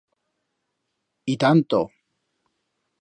Y tanto!